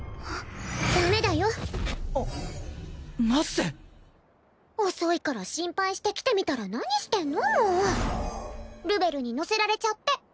ダメだよナッセ遅いから心配して来てみたら何してんのもうルベルに乗せられちゃって！